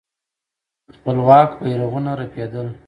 خپلواک بيرغونه رپېدل.